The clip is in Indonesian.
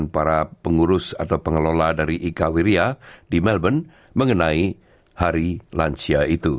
pengelola dari ika wiria di melbourne mengenai hari lansia itu